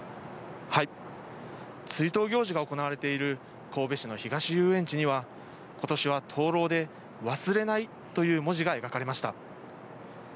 追悼行事が行われている神戸市の東遊園地には今年は灯籠で「忘れない」という文字が描かれました。